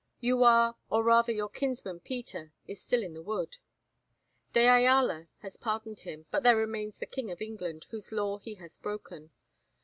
You are, or rather your kinsman Peter, is still in the wood. De Ayala has pardoned him; but there remains the King of England, whose law he has broken.